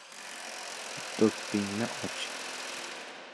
— Do‘ppingni och!